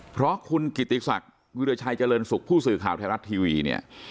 เพราะคุณกิติศักดิ์วิราชัยเจริญสุขผู้สื่อข่าวไทยรัฐทีวีเนี่ย